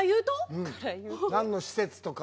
何の施設とか。